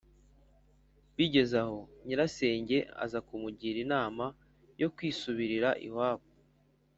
Bigeze aho nyirasenge aza kumugira inama yo kwisubirira iwabo.